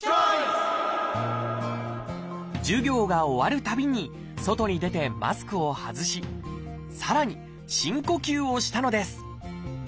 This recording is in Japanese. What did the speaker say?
授業が終わるたびに外に出てマスクを外しさらに深呼吸をしたのです。